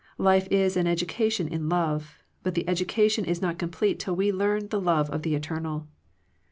Life is an education In love, but the education is not com plete till we learn the love of the eternal.